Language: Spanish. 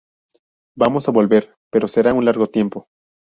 Vamos a volver pero será un largo tiempo.